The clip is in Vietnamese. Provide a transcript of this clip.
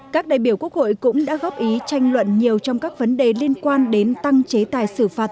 các đại biểu quốc hội cũng đã góp ý tranh luận nhiều trong các vấn đề liên quan đến tăng chế tài xử phạt